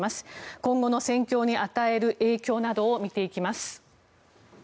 今後の戦況に与える影響などを見ていきます。